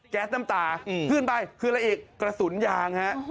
แก๊สน้ำตาขึ้นไปคืออะไรอีกกระสุนยางฮะ